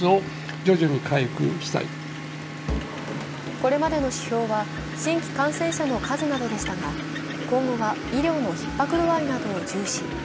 これまでの指標は新規感染者の数などでしたが、今後は医療のひっ迫度合いなどを重視。